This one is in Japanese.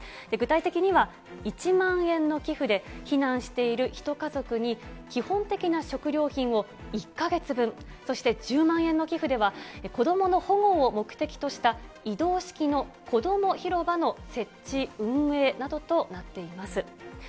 具体的には１万円の寄付で、避難している１家族に基本的な食料品を１か月分、そして１０万円の寄付では、子どもの保護を目的とした移動式のこどもひろばの設置、運営などとなっています。